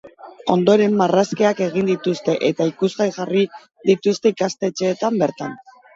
Ondoren, marrazkiak egin dituzte eta ikusgai jarri dituzte ikastetxeetan bertan.